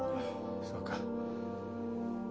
そうか。